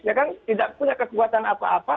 ya kan tidak punya kekuatan apa apa